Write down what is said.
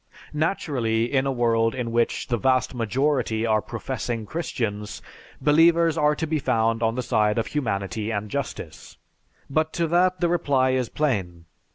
Naturally, in a world in which the vast majority are professing Christians, believers are to be found on the side of humanity and justice. But to that the reply is plain.